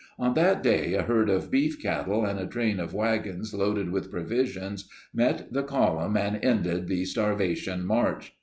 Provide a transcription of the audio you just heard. On that day a herd of beef cattle and a train of wagons loaded with provisions met the column and ended the "Starvation March."